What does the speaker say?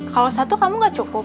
kalau satu kamu gak cukup